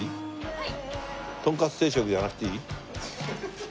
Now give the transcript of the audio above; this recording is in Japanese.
はい。